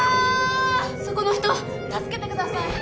そこの人助けてください